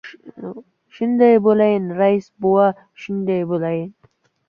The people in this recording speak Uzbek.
— Shunday bo‘layin, rais bova, shunday bo‘layin!